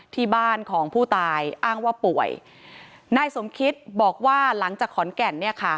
ที่บ้านของผู้ตายอ้างว่าป่วยนายสมคิตบอกว่าหลังจากขอนแก่นเนี่ยค่ะ